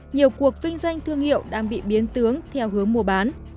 nhiều cuộc vinh danh thương hiệu đang bị biến tướng theo hướng mùa bán